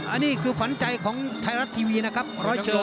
อันนี้คือฝันใจของไทรัตร์ทีวีนะครับร้อยเชิง